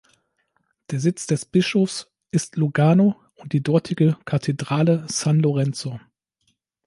Der Sitz des Bischofs ist Lugano und die dortige Kathedrale San Lorenzo.